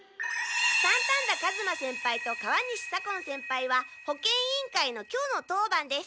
三反田数馬先輩と川西左近先輩は保健委員会の今日の当番です。